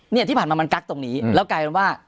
ที่ผ่านมามันกั๊กตรงนี้แล้วกลายเป็นว่า